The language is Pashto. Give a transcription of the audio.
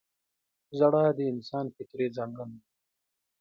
• ژړا د انسان فطري ځانګړنه ده.